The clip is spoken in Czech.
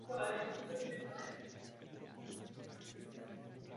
Narodil se v Kamenici nad Hronom a pochází z maďarské menšiny na Slovensku.